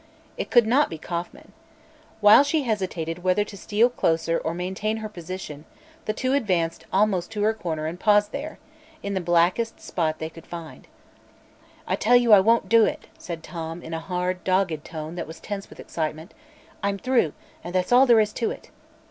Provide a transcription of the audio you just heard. It could not be Kauffman. While she hesitated whether to steal closer or maintain her position, the two advanced almost to her corner and paused there in the blackest spot they could find. "I tell you I won't do it!" said Tom, in a hard, dogged tone that was tense with excitement. "I'm through, and that's all there is to it."